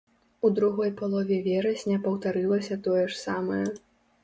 У другой палове верасня паўтарылася тое ж самае.